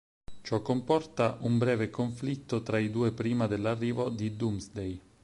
Ciò comporta un breve conflitto tra i due prima dell'arrivo di Doomsday.